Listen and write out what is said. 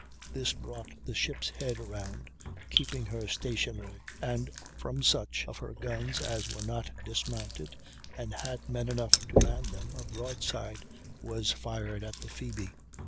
This brought the ship's head round, keeping her stationary; and from such of her guns as were not dismounted and had men enough left to man them, a broadside was fired at the Phoebe.